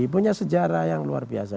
punya sejarah yang luar biasa